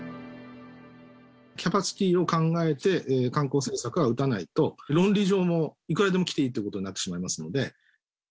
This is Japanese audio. キャパシティーを考えて観光政策は打たないと、論理上もいくらでも来ていいっていうことになってしまいますので。